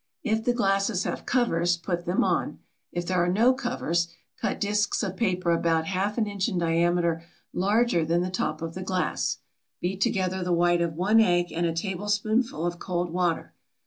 If the glasses have covers, put them on. If there are no covers, cut disks of paper about half an inch in diameter larger than the top of the glass. Beat together the white of one egg and a tablespoonful of cold water.